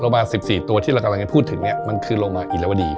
โรงพยาบาล๑๔ตัวที่เรากำลังจะพูดถึงเนี่ยมันคือโรงพยาบาลอีฬวดี